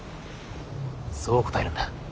そう答えるんだ。